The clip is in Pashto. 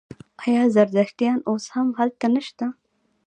آیا زردشتیان اوس هم هلته نشته؟